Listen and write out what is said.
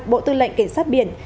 bộ tư lệnh cảnh sát biển